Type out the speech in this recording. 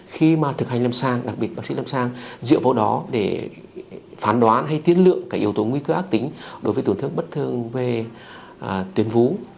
khi mà thực hành lâm sang đặc biệt bác sĩ lâm sang dựa vào đó để phán đoán hay tiến lượng cái yếu tố nguy cơ ác tính đối với tưởng thức bất thường về tuyến vú